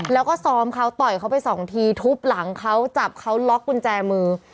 แล้วก็ซ้อมเขาต่อยเขาไปสองทีทุบหลังเขาจับเขาล็อกกุญแจมือ